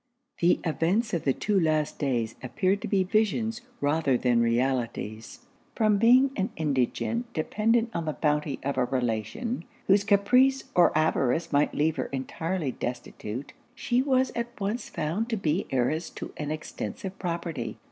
The events of the two last days appeared to be visions rather than realities. From being an indigent dependant on the bounty of a relation, whose caprice or avarice might leave her entirely destitute, she was at once found to be heiress to an extensive property.